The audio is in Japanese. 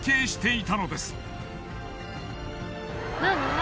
何？